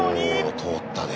お通ったね。